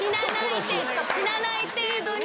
死なない程度に！